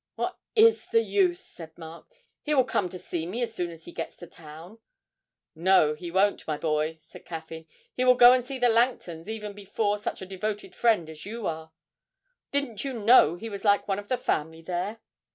'What is the use?' said Mark. 'He will come to me as soon as he gets to town.' 'No, he won't, my boy,' said Caffyn; 'he will go and see the Langtons even before such a devoted friend as you are. Didn't you know he was like one of the family there?'